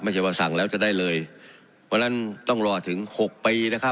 ไม่ใช่ว่าสั่งแล้วจะได้เลยเพราะฉะนั้นต้องรอถึงหกปีนะครับ